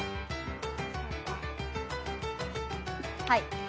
はい。